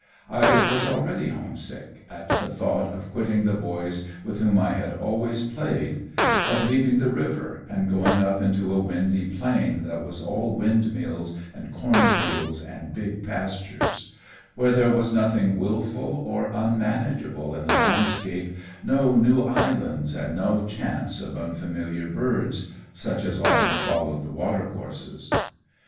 I was already homesick at the thought of quitting the boys with whom I had always played; of leaving the river, and going up into a windy plain that was all windmills and corn fields and big pastures; where there was nothing wilful or unmanageable in the landscape, no new islands, and no chance of unfamiliar birds such as often followed the watercourses.